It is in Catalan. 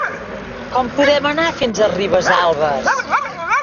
Com podem anar fins a Ribesalbes?